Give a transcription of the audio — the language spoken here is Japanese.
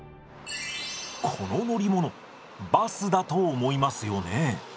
この乗り物バスだと思いますよね？